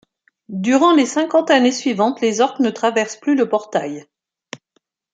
Durant les cinquante années suivantes, les orcs ne traversent plus le portail.